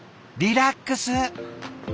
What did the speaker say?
リラックス！